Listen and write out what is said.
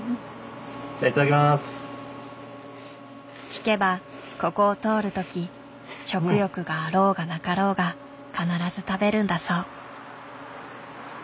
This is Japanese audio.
聞けばここを通る時食欲があろうがなかろうが必ず食べるんだそう。